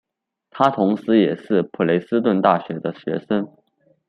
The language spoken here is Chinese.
他同时也是普雷斯顿大学的学生。